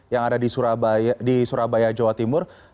yang ada di surabaya jawa timur